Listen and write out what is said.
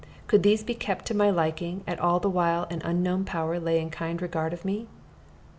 Could these be kept to my liking at all while an unknown power lay in kind regard of me?